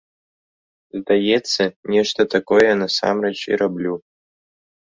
Здаецца, нешта такое я насамрэч і раблю.